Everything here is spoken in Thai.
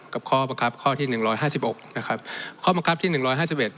ข้อบังคับข้อที่หนึ่งร้อยห้าสิบหกนะครับข้อบังคับที่หนึ่งร้อยห้าสิบเอ็ด